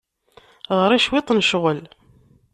Ɣer-i cwiṭ n ccɣel.